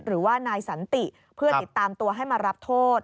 หรือว่านายสันติเพื่อติดตามตัวให้มารับโทษ